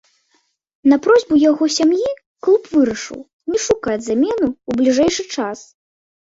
На просьбу яго сям'і клуб вырашыў не шукаць замену ў бліжэйшы час.